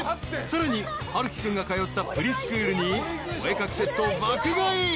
［さらにハルキ君が通ったプリスクールにお絵描きセットを爆買い］